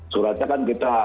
suratnya kan kita